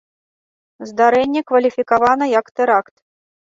Здарэнне кваліфікавана як тэракт.